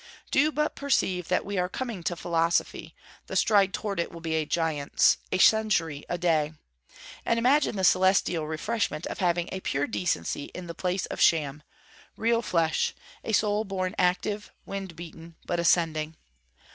Do but perceive that we are coming to philosophy, the stride toward it will be a giant's a century a day. And imagine the celestial refreshment of having a pure decency in the place of sham; real flesh; a soul born active, wind beaten, but ascending.